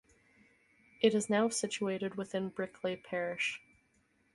It is now situated within Bickleigh parish.